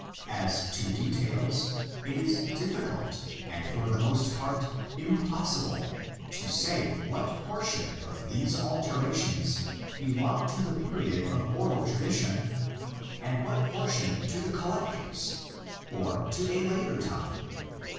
As to details, it is difficult, and for the most part impossible, to say what portion of these alterations belongs to the period of oral tra dition and what portion to the collectors or to a later time.